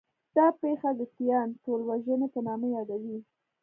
دا پېښه د 'تیان ټولوژنې' په نامه یادوي.